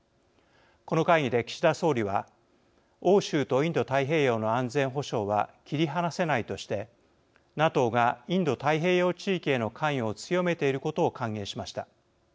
この会議で岸田総理は欧州とインド太平洋の安全保障は切り離せないとしてＮＡＴＯがインド太平洋地域への関与を強めていることを歓迎しました。